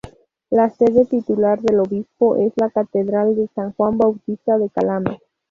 La sede titular del obispo es la catedral de San Juan Bautista de Calama.